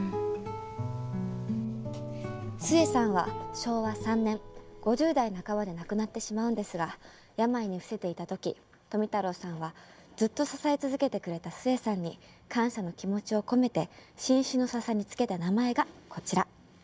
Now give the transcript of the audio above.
壽衛さんは昭和３年５０代半ばで亡くなってしまうんですが病に伏せていた時富太郎さんはずっと支え続けてくれた壽衛さんに感謝の気持ちを込めて新種のササにつけた名前がこちら。